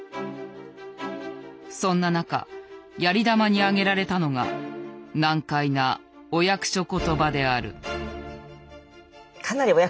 そんな中やり玉に挙げられたのが難解な「お役所ことば」である。